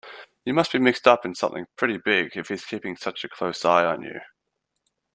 You must be mixed up in something pretty big if he's keeping such a close eye on you.